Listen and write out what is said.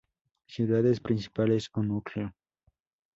Ciudades principales o núcleo